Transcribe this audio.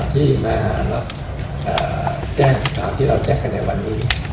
ที่มารับแจ้งข่าวที่เราแจ้งกันในวันนี้